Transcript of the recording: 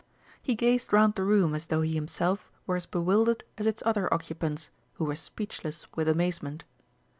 He gazed round the room as though he himself were as bewildered as its other occupants, who were speechless with amazement.